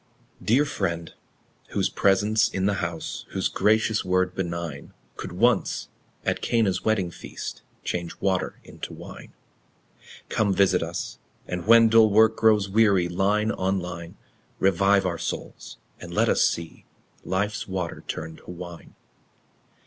Dear Friend! whose presence in the house, Whose gracious word benign, Could once, at Cana's wedding feast, Change water into wine; Come, visit us! and when dull work Grows weary, line on line, Revive our souls, and let us see Life's water turned to wine.